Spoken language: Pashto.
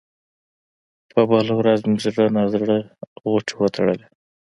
په بله ورځ مې زړه نا زړه غوټې وتړلې.